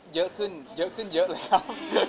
เยอะขึ้นเยอะขึ้นเยอะเลยครับ